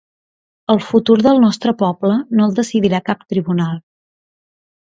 El futur del nostre poble no el decidirà cap tribunal.